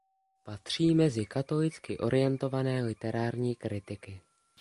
Patří mezi katolicky orientované literární kritiky.